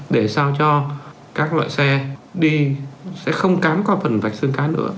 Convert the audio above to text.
để sao cho các loại xe đi sẽ không cám qua phần vạch xương cá nữa